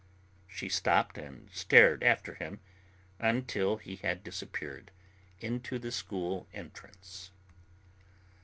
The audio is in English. She stopped and stared after him until he had disappeared into the school entrance.